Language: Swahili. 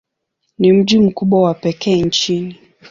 Ni mji mkubwa wa pekee nchini.